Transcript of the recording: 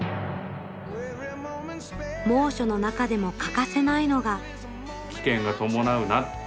猛暑の中でも欠かせないのが。